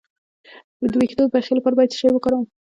د ویښتو د پخې لپاره باید څه شی وکاروم؟